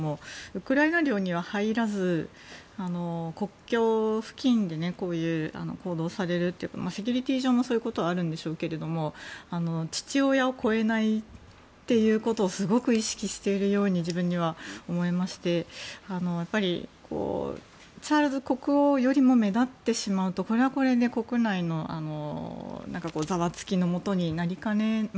ウクライナ領には入らず国境付近でこういう行動をされるというかセキュリティー上もそういうことはあるんでしょうが父親を超えないということをすごく意識しているように自分には思いましてチャールズ国王よりも目立ってしまうとこれはこれで国内のざわつきのもとになりかねない。